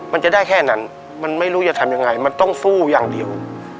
มันจะได้แค่นั้นมันไม่รู้จะทำยังไงมันต้องสู้อย่างเดียว